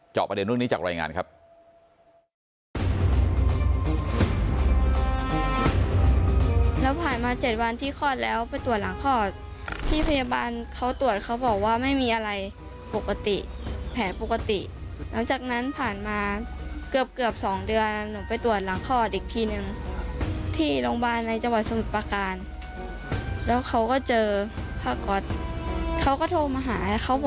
ประเด็นเรื่องนี้จากรายงานครับ